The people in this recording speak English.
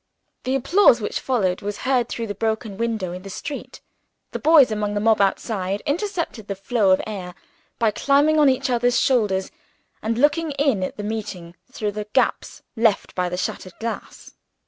The applause which followed was heard, through the broken window, in the street. The boys among the mob outside intercepted the flow of air by climbing on each other's shoulders and looking in at the meeting, through the gaps left by the shattered glass.